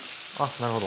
なるほど。